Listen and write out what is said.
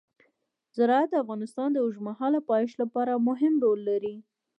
زراعت د افغانستان د اوږدمهاله پایښت لپاره مهم رول لري.